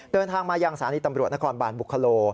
เดินทางมายังสถานีตำรวจนครบาลบุคโล